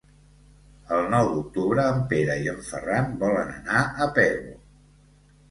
El nou d'octubre en Pere i en Ferran volen anar a Pego.